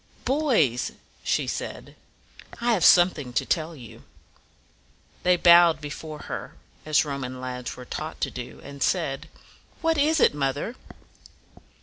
"Boys," she said, "I have something to tell you." They bowed before her, as Roman lads were taught to do, and said, "What is it, mother?"